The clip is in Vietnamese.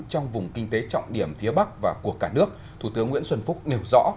trong vùng kinh tế trọng điểm phía bắc và của cả nước thủ tướng nguyễn xuân phúc nêu rõ